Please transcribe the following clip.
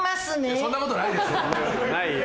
そんなことないよ。